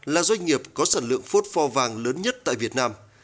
là doanh nghiệp có sản lượng phốt phò vàng lớn nhất tại việt nam